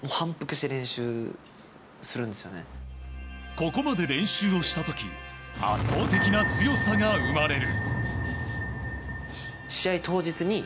ここまで練習をした時圧倒的な強さが生まれる。